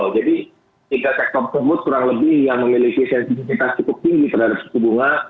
jadi tiga sektor sebut kurang lebih yang memiliki sensitivitas cukup tinggi terhadap suku bunga